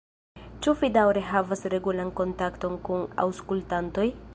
Ĉu vi daŭre havas regulan kontakton kun aŭskultantoj?